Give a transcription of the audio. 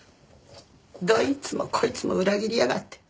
どいつもこいつも裏切りやがって。